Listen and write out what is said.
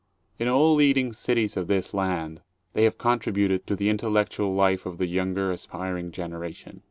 In all the leading cities of this land, they have contributed to the intel lectual life of the younger, aspiring generation.